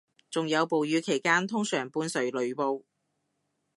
仲有暴雨期間通常伴隨雷暴